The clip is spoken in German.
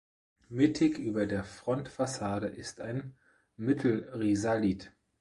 Mittig über der Frontfassade ist ein Mittelrisalit.